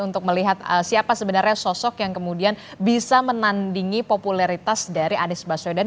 untuk melihat siapa sebenarnya sosok yang kemudian bisa menandingi popularitas dari anies baswedan